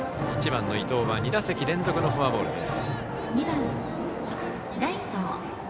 １番の伊藤は２打席連続のフォアボール。